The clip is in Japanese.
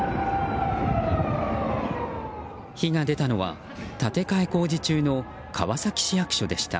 火が出たのは建て替え工事中の川崎市役所でした。